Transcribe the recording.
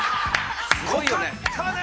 ◆濃かったね。